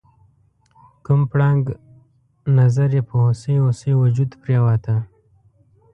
کوم پړانګ نظر یې په هوسۍ هوسۍ وجود پریوته؟